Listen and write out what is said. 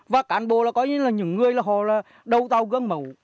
và cán bộ là có nghĩa là những người là họ là đầu tàu gương mẫu